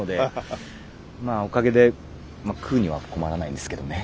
まあおかげで食うには困らないんですけどね。